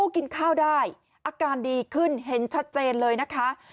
กินข้าวได้อาการดีขึ้นเห็นชัดเจนเลยนะคะ